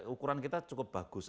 ukuran kita cukup bagus